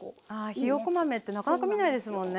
ひよこ豆ってなかなか見ないですもんね。